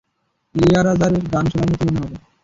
ইলিয়ারাজারের গান শোনার মতো মনে হবে।